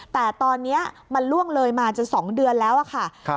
แต่ตอนนี้มันล่วงเลยมาจน๒เดือนแล้วค่ะ